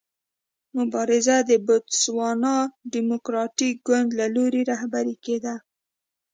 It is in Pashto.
مبارزه د بوتسوانا ډیموکراټیک ګوند له لوري رهبري کېده.